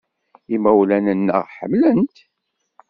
Imawlan-nneɣ ḥemmlen-t.